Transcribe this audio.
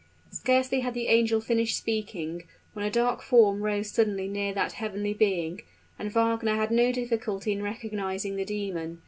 Scarcely had the angel finished speaking, when a dark form rose suddenly near that heavenly being; and Wagner had no difficulty in recognizing the demon.